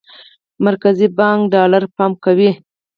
مرکزي بانک ډالر پمپ کوي.